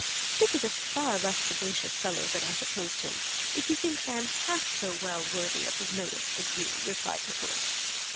'Dick is a far less sagacious fellow than I supposed him, if he thinks I am half so well worthy of his notice as you,' replied Nicholas.